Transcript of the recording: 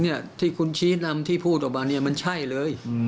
เนี่ยที่คุณชี้นำที่พูดออกมาเนี่ยมันใช่เลย